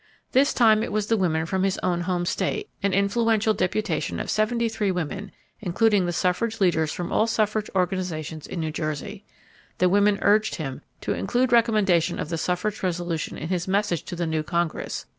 This time it was the women from his own home state, an influential deputation of seventy three women, including the suffrage leaders from all suffrage organizations in New Jersey. The women urged him to include recommendation of the suffrage resolution in his message to the new Congress.